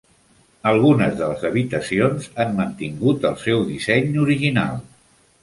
Algunes de les habitacions han mantingut el seu disseny original.